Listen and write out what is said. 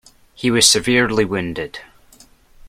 He was severely wounded.